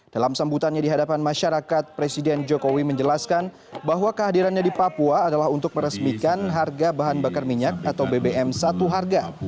dalam sambutannya di hadapan masyarakat presiden jokowi menjelaskan bahwa kehadirannya di papua adalah untuk meresmikan harga bahan bakar minyak atau bbm satu harga